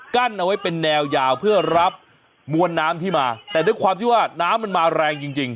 กั้นเอาไว้เป็นแนวยาวเพื่อรับมวลน้ำที่มาแต่ด้วยความที่ว่าน้ำมันมาแรงจริงจริง